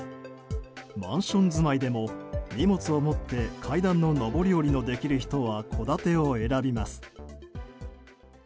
マンション住まいでも荷物を持って階段の上り下りのできる人は戸建てを選びます。